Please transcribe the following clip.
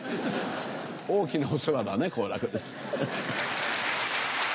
大きなお世話だね好楽です。